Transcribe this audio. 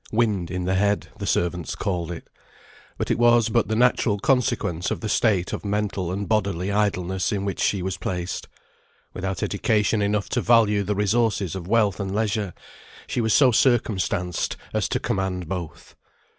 "Wind in the head," the servants called it. But it was but the natural consequence of the state of mental and bodily idleness in which she was placed. Without education enough to value the resources of wealth and leisure, she was so circumstanced as to command both.